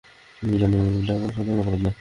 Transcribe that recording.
তুমি জানো এটা কোন সাধারন অপরাধ না।